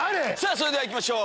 それでは行きましょう！